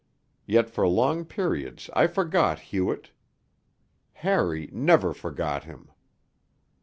Yet for long periods I forgot Hewett. Harry never forgot him.